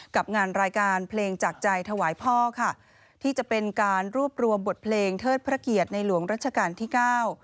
กับงานรายการเพลงจากใจถวายพ่อค่ะที่จะเป็นการรวบรวมบทเพลงเทิดพระเกียรติในหลวงรัชกาลที่เก้า